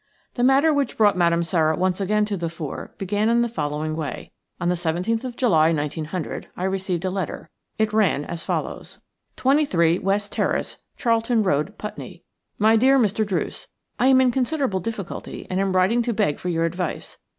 The matter which brought Madame Sara once again to the fore began in the following way. On the 17th of July, 1900, I received a letter; it ran as follows:– "23, West Terrace,"Charlton Road, Putney. "DEAR MR. DRUCE, – I am in considerable difficulty and am writing to beg for your advice.